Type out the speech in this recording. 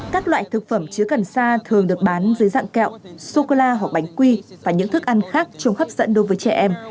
các loại thực phẩm chứa cần sa thường được bán dưới dạng kẹo sô cô la hoặc bánh quy và những thức ăn khác trông hấp dẫn đối với trẻ em